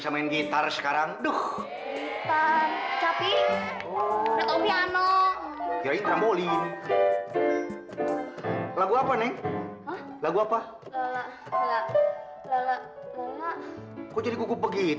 jangan salah dia dong jangan gua yang disalahin